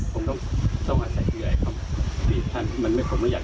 การทำให้มันตามกฎหมายจะพูดมาก